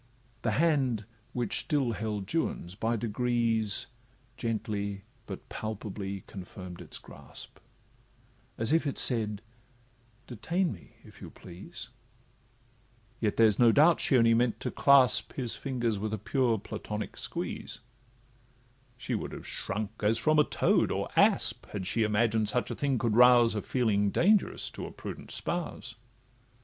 The hand which still held Juan's, by degrees Gently, but palpably confirm'd its grasp, As if it said, 'Detain me, if you please;' Yet there's no doubt she only meant to clasp His fingers with a pure Platonic squeeze: She would have shrunk as from a toad, or asp, Had she imagined such a thing could rouse A feeling dangerous to a prudent spouse.